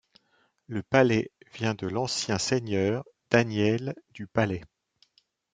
Le Pallet vient de l'ancien seigneur, Daniel du Palais.